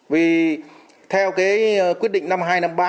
vì theo cái quyết định năm hai năm ba